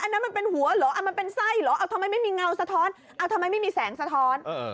อันนั้นเป็นหัวหรอมันเป็นไส้หรอเพราะไม้ไม่มีเงาก็สะท้อนถ้ามันไม่มีแสงสะท้อน